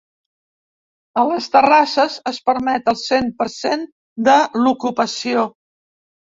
A les terrasses es permet el cent per cent de l’ocupació.